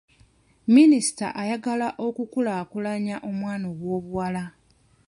Minisita ayagala okukulaakulanya omwana ow'obuwala.